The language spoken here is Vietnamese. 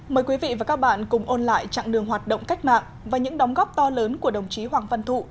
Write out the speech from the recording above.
mời quý vị và các bạn cùng ôn lại chặng đường hoạt động cách mạng và những đóng góp to lớn của đồng chí hoàng văn thụ